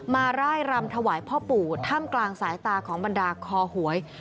ร่ายรำถวายพ่อปู่ถ้ำกลางสายตาของบรรดาคอหวย